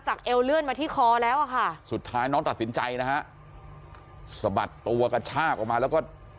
เอวเลื่อนมาที่คอแล้วอ่ะค่ะสุดท้ายน้องตัดสินใจนะฮะสะบัดตัวกระชากออกมาแล้วก็